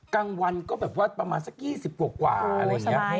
กลางวันก็แบบว่าประมาณสัก๒๐กว่าอะไรอย่างนี้